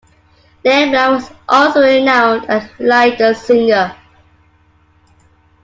Lehmann was also renowned as a Lieder singer.